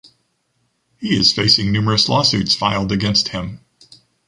He is facing numerous lawsuits filed against him.